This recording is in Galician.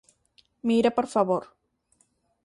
Mira, por favor.